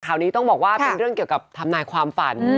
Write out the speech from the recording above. ข่าวนี้ต้องบอกว่าเป็นเรื่องเกี่ยวกับทำนายความฝัน